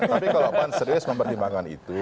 tapi kalau pan serius mempertimbangkan itu